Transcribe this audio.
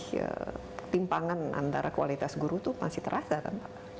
ketimpangan antara kualitas guru itu masih terasa kan pak